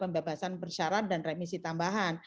pembebasan bersyarat dan remisi tambahan